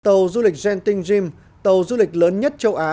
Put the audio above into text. tàu du lịch genting gym tàu du lịch lớn nhất châu á